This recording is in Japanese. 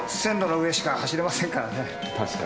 確かに。